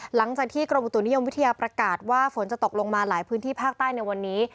หลังจากที่กรมอุตุนิยมวิทยาประกาศว่าฝนจะตกลงมาหลายพื้นที่ภาคใต้ในวันนี้